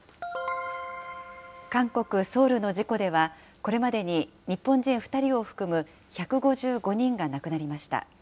韓国・ソウルの事故では、これまでに日本人２人を含む１５５人が亡くなりました。